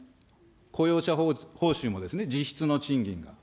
雇用者報酬もですね、実質の賃金が。